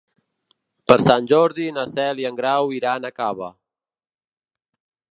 Per Sant Jordi na Cel i en Grau iran a Cava.